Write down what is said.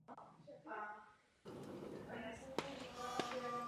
Babylonské zajetí se stalo původcem tohoto biblického příběhu.